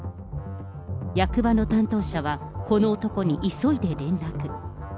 役場の担当者は、この男に急いで連絡。